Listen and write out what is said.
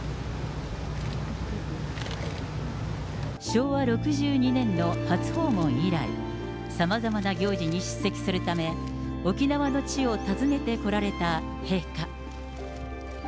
昭和６２年の初訪問以来、さまざまな行事に出席するため、沖縄の地を訪ねてこられた陛下。